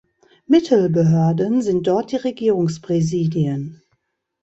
Mittelbehörden sind dort die Regierungspräsidien.